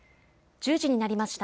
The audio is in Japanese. １０時になりました。